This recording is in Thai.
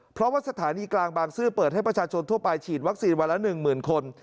เพราะว่าสถานีกลางบางซื่อเปิดให้ประชาชนทั่วไปฉีดวัคซีนวันละ๑๐๐๐คน